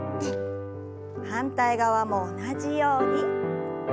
反対側も同じように。